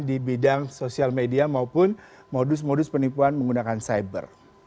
di bidang sosial media maupun modus modus penipuan menggunakan cyber